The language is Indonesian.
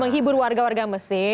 menghibur warga warga mesir